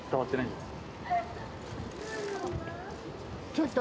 ちょっと。